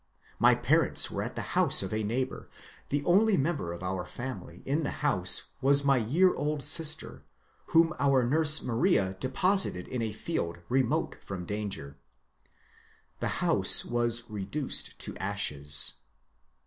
My parents were at the house of a neighbour; the only member of our family in the house was my year old sister, whom our nurse Maria deposited in a field remote from danger. The house was reduced to ashes.